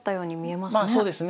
まあそうですね。